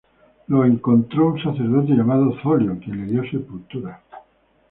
Lo encontró un sacerdote llamado Zoilo, quien le dio sepultura.